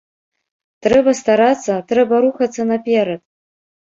Трэба старацца, трэба рухацца наперад.